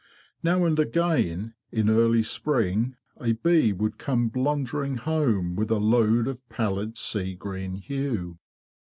Now and again, in early spring, a bee would come blunder ing home with a load of pallid sea green hue.